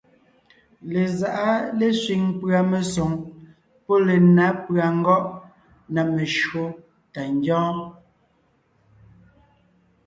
Lezáʼa lésẅiŋ pʉ̀a mesoŋ pɔ́ lenǎ pʉ̀a ngɔ́ʼ na meshÿó tà ńgyɔ́ɔn.